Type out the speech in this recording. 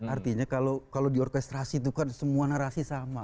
artinya kalau di orkestrasi itu kan semua narasi sama